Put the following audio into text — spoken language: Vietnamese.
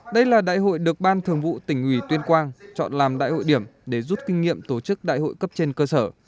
đây là đại hội được ban thường vụ tỉnh ủy tuyên quang chọn làm đại hội điểm để rút kinh nghiệm tổ chức đại hội cấp trên cơ sở